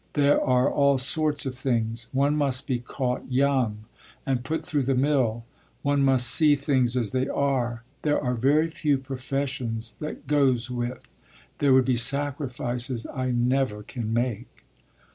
There are all sorts of things; one must be caught young and put through the mill one must see things as they are. There are very few professions that goes with. There would be sacrifices I never can make."